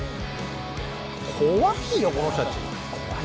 怖いよこの人たち。